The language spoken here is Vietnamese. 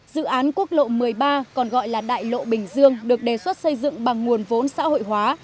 dự án quốc lộ một mươi ba còn gọi là đại lộ bình dương được đề xuất xây dựng bằng nguồn vốn xã hội hóa